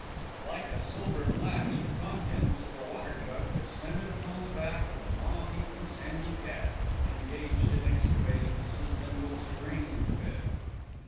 Like a silver flash, the contents of a water jug descended upon the back of the moth eaten sandy cat, engaged in excavating Mrs. Bindle's geranium bed.